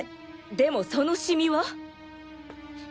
でもそのシミは？